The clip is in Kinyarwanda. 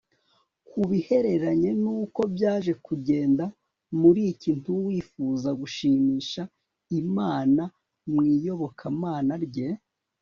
Ku bihereranye n uko byaje kugenda muri iki ntu wifuza gushimisha Imana mu iyobokamana rye